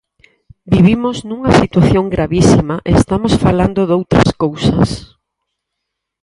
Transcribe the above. Vivimos nunha situación gravísima e estamos falando doutras cousas.